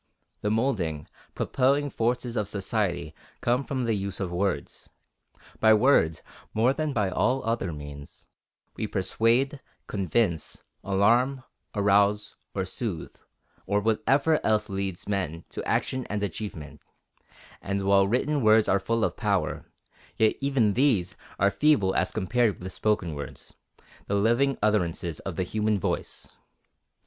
The moulding, propelling forces of society come from the use of words. By words, more than by all other means, we persuade, convince, alarm, arouse, or soothe, or whatever else leads men to action and achievement; and while written words are full of power, yet even these are feeble as compared with spoken words, the living utterances of the human voice.